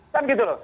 kan gitu loh